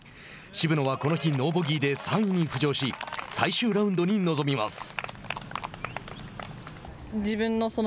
渋野は、この日ノーボギーで３位に浮上し最終ラウンドに臨みます。